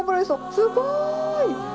すごい！